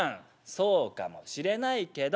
「そうかもしれないけど」。